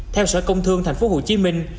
theo sở công thương thành phố hồ chí minh